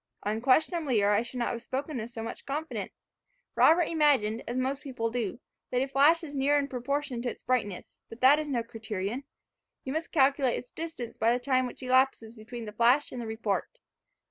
"Unquestionably, or I should not have spoken with so much confidence. Robert imagined, as most people do, that a flash is near in proportion to its brightness; but that is no criterion. You must calculate its distance by the time which elapses between the flash and the report.